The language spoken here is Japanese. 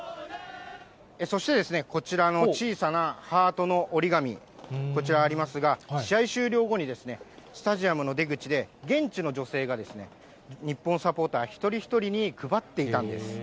そしてですね、こちらの小さなハートの折り紙、こちら、ありますが、試合終了後に、スタジアムの出口で、現地の女性が日本サポーター一人一人に配っていたんです。